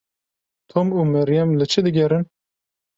Tom û Meryem li çi digerin?